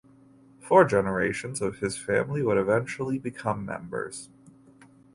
Four generations of his family would eventually become members.